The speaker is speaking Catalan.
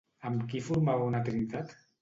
Amb qui formava una trinitat?